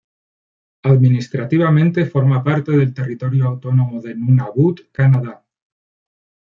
Administrativamente, forma parte del territorio autónomo de Nunavut, Canadá.